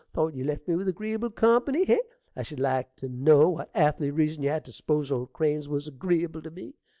Thought ye left me with agreeable company, hey? I should like to know what arthly reason you had to s'pose old Crane's was agreeable to me?